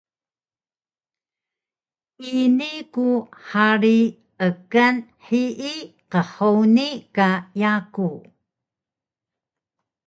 Ini ku hari ekan hiyi qhuni ka yaku